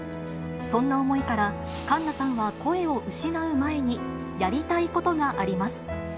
そんな思いから、栞奈さんは声を失う前にやりたいことがあります。